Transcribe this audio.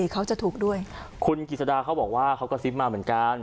เขาจะถูกด้วยคุณกิจสดาเขาบอกว่าเขากระซิบมาเหมือนกัน